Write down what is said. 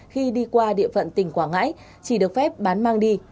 khi đi qua địa phận tỉnh quảng ngãi chỉ được phép bán mang đi